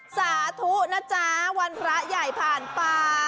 สาธุนะจ๊ะวันพระใหญ่ผ่านไป